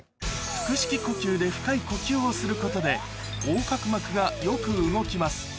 腹式呼吸で深い呼吸をすることで横隔膜がよく動きます